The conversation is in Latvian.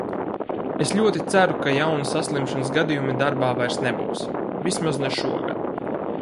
Es ļoti ceru, ka jauni saslimšanas gadījumi darbā vairs nebūs, vismaz ne šogad.